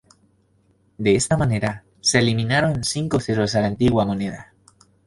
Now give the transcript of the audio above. De esta manera, se eliminaron cinco ceros a la antigua moneda.